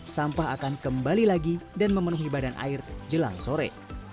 sampah akan kembali lagi dan memenuhi badan air jelang sore